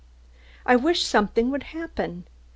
I wish something would happen.